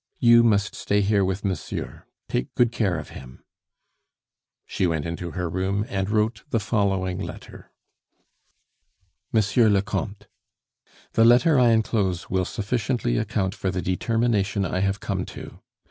You must stay here with monsieur; take good care of him " She went into her room, and wrote the following letter: "MONSIEUR LE COMTE, "The letter I enclose will sufficiently account for the determination I have come to.